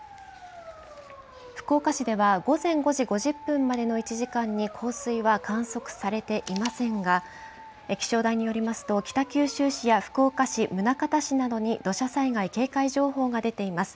福岡市では午前５時５０分までの１時間に、降水は観測されていませんが、気象台によりますと、北九州市や福岡市、宗像市などに土砂災害警戒情報が出ています。